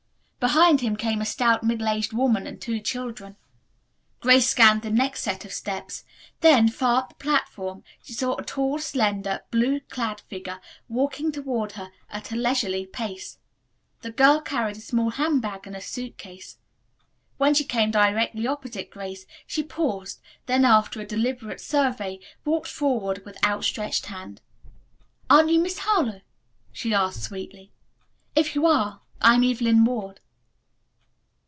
Behind him, came a stout middle aged woman and two children. Grace scanned the next set of steps. Then, far up the platform she saw a tall, slender, blue clad figure walking toward her at a leisurely pace. The girl carried a small handbag and a suit case. When she came directly opposite Grace she paused, then, after a deliberate survey, walked forward with outstretched hand. "Aren't you Miss Harlowe?" she asked sweetly. "If you are, I am Evelyn Ward."